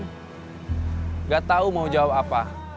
tidak tahu mau jawab apa